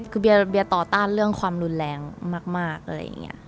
คือเบียร์ต่อต้านเรื่องความรุนแรงมากอะไรอย่างนี้